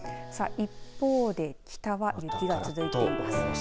一方で北は、雪が続いています。